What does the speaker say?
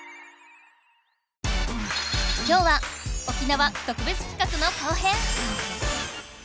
今日は沖縄特別企画の後編！